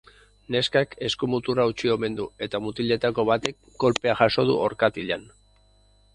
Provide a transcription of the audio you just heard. Neskak eskumuturra hautsi omen du, eta mutiletako batek kolpea jaso du orkatilan.